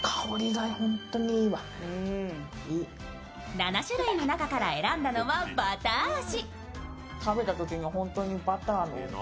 ７種類の中から選んだのはバター味。